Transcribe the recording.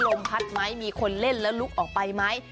ลมพัดไหมมีคนเล่นแล้วลุกออกไปไหม